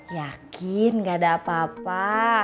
yakin gak ada apa apa